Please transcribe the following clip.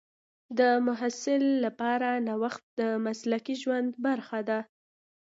د محصل لپاره نوښت د مسلکي ژوند برخه ده.